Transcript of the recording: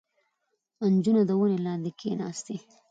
• نجونه د ونې لاندې کښېناستې.